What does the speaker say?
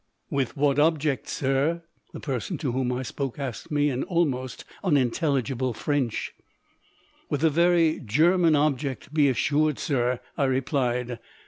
"With what object, sir?" the person to whom I spoke asked me in almost unintelligible French. "With a very German object, be assured, sir," I replied.